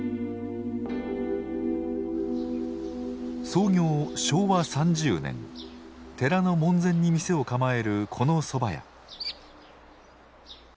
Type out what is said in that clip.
創業昭和３０年寺の門前に店を構えるこのそば屋。